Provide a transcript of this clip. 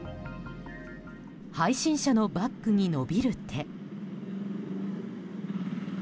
配信者のバッグに伸びる手。